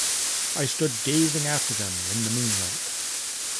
I stood gazing after them in the moonlight.